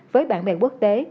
với bạn bè quốc tế